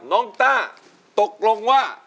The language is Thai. น้องต้าตกลงว่า